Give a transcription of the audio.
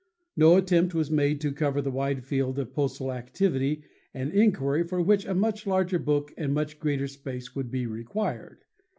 No attempt was made to cover the wide field of postal activity and inquiry for which a much larger book and much greater space would be required.